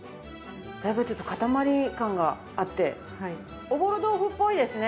だいぶちょっと固まり感があっておぼろ豆腐っぽいですね。